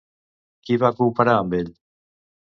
Qui va cooperar amb ell?